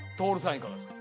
いかがですか？